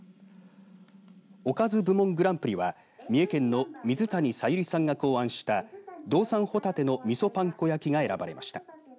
おかず部門グランプリは三重県の水谷早百合さんが考案した道産ホタテの味噌パン粉焼きが選ばれました。